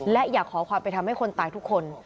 และอยากขอความเป็นธรรมให้คนตายทุกคน